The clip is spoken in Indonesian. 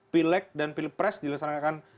pileg dan pilpres dilesanakan